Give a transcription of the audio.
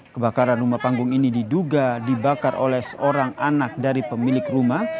kebakaran rumah panggung ini diduga dibakar oleh seorang anak dari pemilik rumah